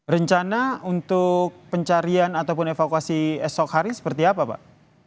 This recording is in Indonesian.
rencana untuk pencarian ataupun evakuasi esok hari seperti apa pak